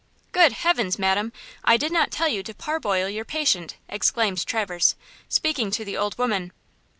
"Good heavens, madam! I did not tell you to parboil your patient!" exclaimed Traverse, speaking to the old woman.